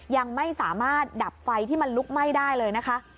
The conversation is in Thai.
ยังไม่สามารถดับไฟที่มันลุกไหม้ได้เลยนะคะ